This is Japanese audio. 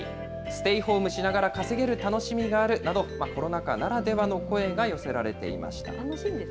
ステイホームしながら稼げる楽しみがあるなど、コロナ禍ならではの声が寄せられていました。